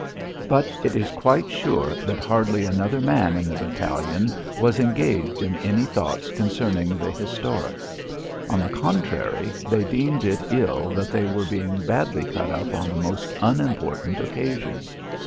But it is quite sure that hardly another man in the battalion was engaged in any thoughts concerning the historic. On the contrary, they deemed it ill that they were being badly cut up on a most unimportant occasion.